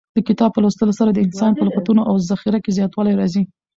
د کتاب په لوستلو سره د انسان په لغتونو او ذخیره کې زیاتوالی راځي.